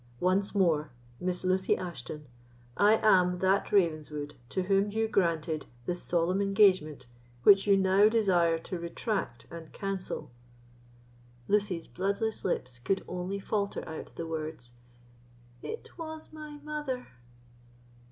Once more, Miss Lucy Ashton, I am that Ravenswood to whom you granted the solemn engagement which you now desire to retract and cancel." Lucy's bloodless lips could only falter out the words, "It was my mother."